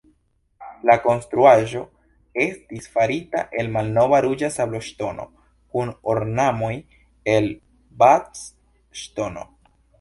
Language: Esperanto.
La konstruaĵo estis farita el malnova ruĝa sabloŝtono, kun ornamoj el Bath-Ŝtono.